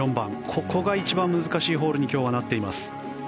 ここが一番難しいホールに今日はなっています。